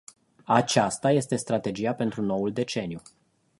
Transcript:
Aceasta este strategia pentru noul deceniu.